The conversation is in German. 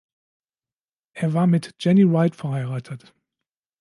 Er war mit Jennie Wright verheiratet.